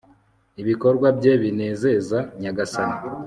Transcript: ibikorwa bye binezeza nyagasani